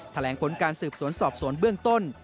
แถลงผลการสืบสวนสอบสวนเบื้องต้น